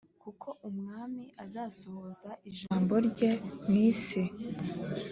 kuko umwami azasohoza ijambo rye mu isi